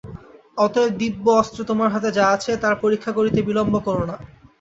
অতএব দিব্য অস্ত্র তোমার হাতে যা আছে তার পরীক্ষা করতে বিলম্ব কোরো না।